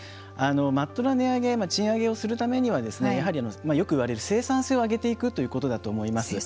まっとうな値上げ賃上げをするためにはやはりよく言われる生産性を上げていくということだと思います。